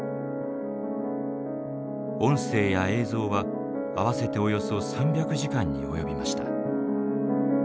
音声や映像は合わせておよそ３００時間に及びました。